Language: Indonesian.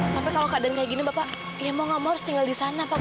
tapi kalau keadaan kayak gini bapak ya mau gak mau harus tinggal di sana pak